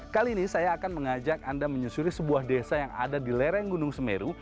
kali ini saya akan mengajak anda menyusuri sebuah desa yang ada di lereng gunung semeru